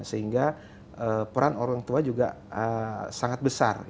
sehingga peran orang tua juga sangat besar